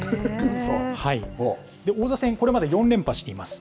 王座戦、これまで４連覇しています。